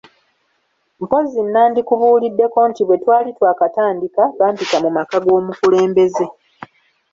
Mpozzi nandikubuuliddeko nti bwe twali twakatandika, bampita mu maka g'omukulembeze.